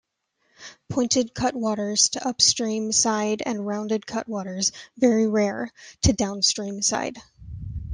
Pointed cutwaters to upstream side and rounded cutwaters, "very rare", to downstream side.